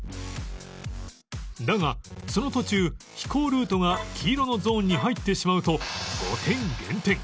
だがその途中飛行ルートが黄色のゾーンに入ってしまうと５点減点